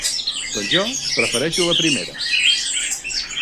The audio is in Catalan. Doncs jo prefereixo la primera.